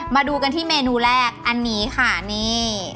มาดูกันที่เมนูแรกอันนี้ค่ะนี่